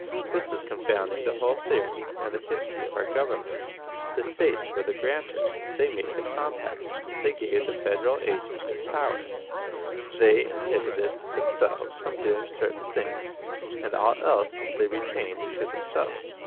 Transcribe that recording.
This is confounding the whole theory and the history of our Government. The States were the grantors; they made the compact; they gave the Federal agent its powers; they inhibited themselves from doing certain things, and all else they retained to themselves.